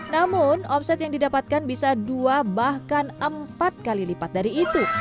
namun omset yang didapatkan bisa dua bahkan empat kali lipat dari itu